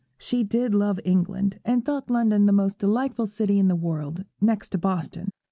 She did love England, and thought London the most delightful city in the world, next to Boston.